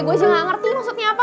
gue sih gak ngerti maksudnya apa